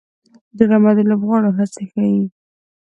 ډرامه د لوبغاړو هڅې ښيي